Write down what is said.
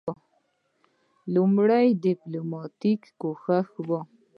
لومړنی ډیپلوماټیک کوښښ وو.